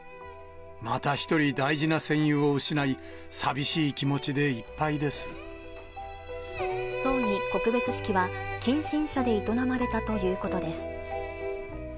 また一人、大事な戦友を失い、葬儀告別式は近親者で営まれたということです。